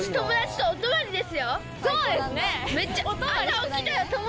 そうですね。